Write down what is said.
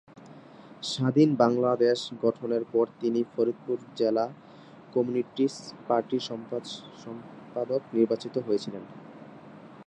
স্বাধীন বাংলাদেশ গঠনের পর তিনি ফরিদপুর জেলা কমিউনিস্ট পার্টির সম্পাদক নির্বাচিত হয়েছিলেন।